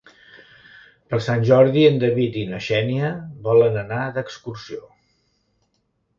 Per Sant Jordi en David i na Xènia volen anar d'excursió.